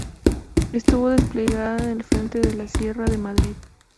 Estuvo desplegada en el frente de la Sierra de Madrid.